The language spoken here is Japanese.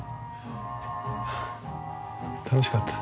楽しかった。